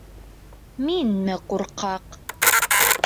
— Минме ҡурҡаҡ?